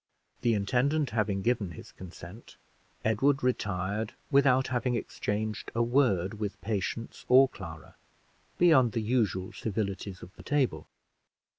The intendant having given his consent, Edward retired without having exchanged a word with Patience or Clara beyond the usual civilities of the table.